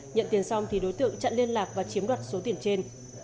nhận tiền xong thì đối tượng chặn liên lạc và chiếm đoạt số tiền trên